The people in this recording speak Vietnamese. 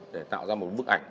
để tạo ra một bức ảnh